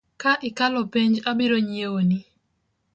Ka ikalo penj abiro nyiewoni .